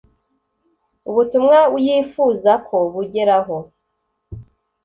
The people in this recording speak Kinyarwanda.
ubutumwa yifuza ko bugeraho